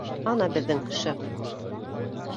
Ана, беҙҙең шеф